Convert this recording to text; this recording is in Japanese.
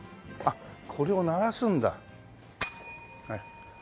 これを鳴らすんだ。